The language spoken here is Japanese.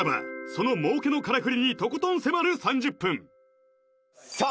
その儲けのカラクリにとことん迫る３０分さあ